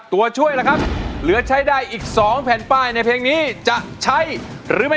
ตัวช่วยละครับเหลือใช้ได้อีกสองแผ่นป้ายในเพลงนี้จะหยุดทำไมสู้อยู่แล้วครับ